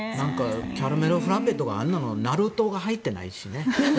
キャラメルフラッペとかはあんなものナルトが入ってないしね。